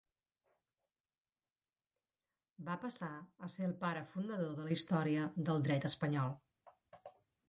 Va passar a ser el pare fundador de la Història del dret espanyol.